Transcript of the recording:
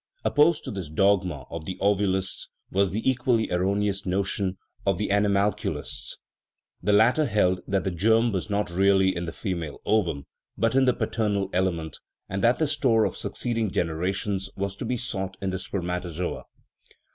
Opposed to this dogma of the " Ovulists " was the equally erroneous notion of the "Animalcu lists"; the latter held that the germ was not really in the female ovum, but in the paternal element, and that the store of succeeding generations was to be sought in the spermatozoa.